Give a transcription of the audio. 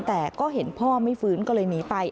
แต่ก็เห็นพ่อไม่ฟื้นก็เลยหนีไป